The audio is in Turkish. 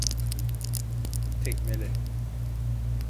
Tekmele!